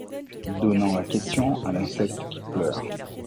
Donnant la question à l’insecte qui pleure !